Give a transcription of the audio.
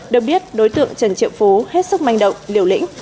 được biết đối tượng trần triệu phú hết sức manh động liều lĩnh